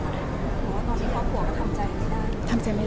อ๋อตอนนี้คุณพ่อก็ทำใจไม่ได้